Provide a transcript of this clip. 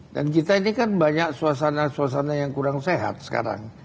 dan kita ini kan banyak suasana suasana yang kurang sehat sekarang